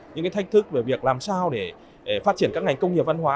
những thách thức về việc làm sao để phát triển các ngành công nghiệp văn hóa